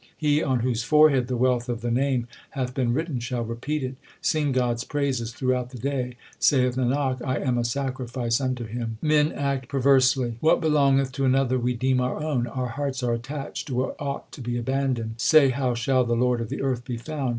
He on whose forehead the wealth of the Name Hath been written, shall repeat it. Sing God s praises throughout the day : Saith Nanak, I am a sacrifice unto Him. Men act perversely : What belongeth to another we deem our own ; Our hearts are attached to what ought to be abandoned. Say how shall the Lord of the earth be found.